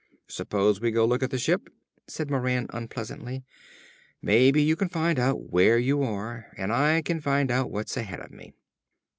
"Suppose we go look at the ship?" said Moran unpleasantly. "Maybe you can find out where you are, and I can find out what's ahead of me."